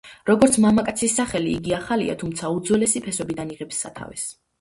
როგორც მამაკაცის სახელი იგი ახალია, თუმცა უძველესი ფესვებიდან იღებს სათავეს.